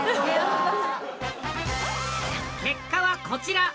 結果はこちら。